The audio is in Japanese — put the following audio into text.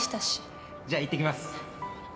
じゃあいってきます。